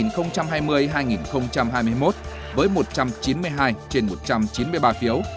năm hai nghìn hai mươi hai nghìn hai mươi một với một trăm chín mươi hai trên một trăm chín mươi ba phiếu